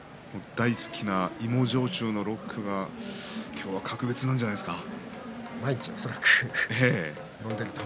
大好きな芋焼酎のロックが今日は格別なんじゃないですか。